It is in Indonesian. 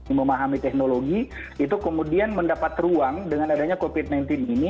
yang memahami teknologi itu kemudian mendapat ruang dengan adanya covid sembilan belas ini